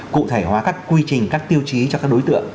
cụ thể hóa các quy trình các tiêu chí cho các đối tượng